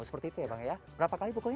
seperti itu ya bang ya berapa kali pukulnya